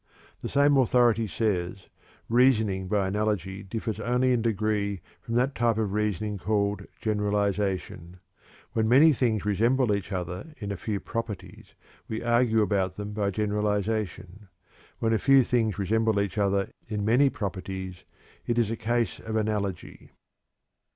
_" The same authority says: "Reasoning by analogy differs only in degree from that kind of reasoning called 'generalization.' When many things resemble each other in a few properties, we argue about them by generalization. When a few things resemble each other in many properties, it is a case of analogy."